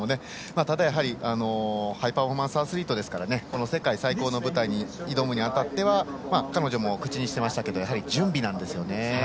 ただハイパフォーマンスアスリートですからこの世界最高の舞台に挑むに当たっては彼女も口にしてましたけどやはり準備なんですよね。